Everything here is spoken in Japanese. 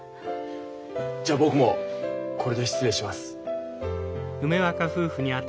じゃあ僕もこれで失礼します。